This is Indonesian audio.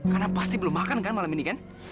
karena pasti belum makan kan malam ini kan